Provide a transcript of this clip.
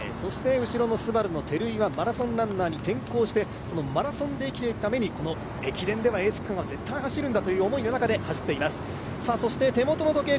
後ろのＳＵＢＡＲＵの照井はマラソンランナーに転向して、マラソンで生きていくためにこの駅伝ではエース区間を絶対走るんだという思いの中で走っています。